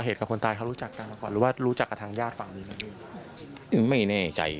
เออนั่นแหละใช่